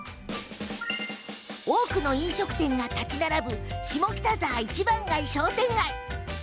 多くの飲食店が建ち並ぶ下北沢一番街商店街。